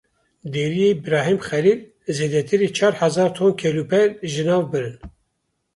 Deriyê Birahîm Xelîl zêdetirî çar hezar ton kelûpel ji nav birin.